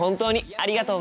ありがとう！